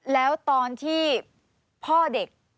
แล้วตอนที่พ่อเด็ก